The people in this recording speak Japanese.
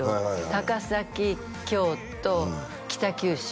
高崎京都北九州